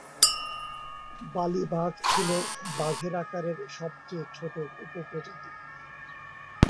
বালি বাঘ ছিল বাঘের আকারের সবচেয়ে ছোট উপপ্রজাতি।